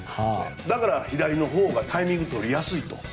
だから左のほうがタイミングとりやすいと。